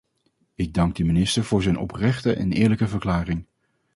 Ik dank de minister voor zijn oprechte en eerlijke verklaring.